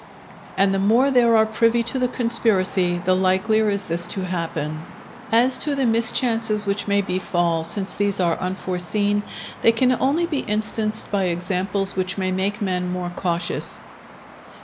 And the more there are privy to the conspiracy, the likelier is this to happen. As to the mischances which may befall, since these are unforeseen, they can only be instanced by examples which may make men more cautious.